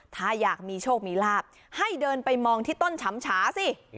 ถ้าอยากมีโชคมีลาบให้เดินไปมองที่ต้นฉำฉาสิ